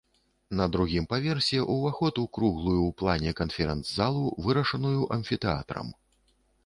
На другім паверсе ўваход у круглую ў плане канферэнц-залу, вырашаную амфітэатрам.